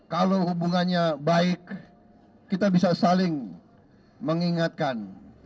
kalau hubungannya baik kita bisa saling mengingatkan